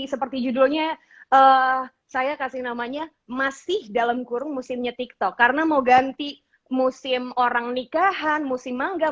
seperti judulnya saya kasih namanya masih dalam kurung musimnya tiktok karena mau ganti musim orang nikahan musim mangga